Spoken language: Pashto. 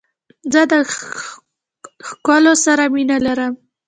زه د کښلو سره مینه لرم.